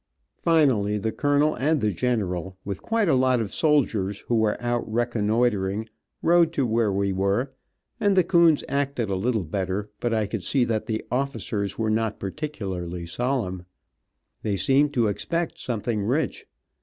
Finnally the colonel and the general, with quite a lot of soldiers, who were out reconnoitering, rode to where we were, and the coons acted a little better, but I could see that the officers were not particularly solemn. They seemed to expect something rich.